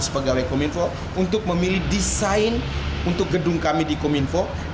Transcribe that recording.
kepada dua enam ratus pegawai komunikasi info untuk memilih desain untuk gedung kami di komunikasi info